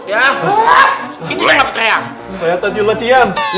itu ign pencaya